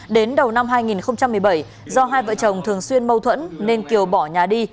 đến đầu năm hai nghìn một mươi bảy do hai vợ chồng thường xuyên mâu thuẫn nên kiều bỏ nhà đi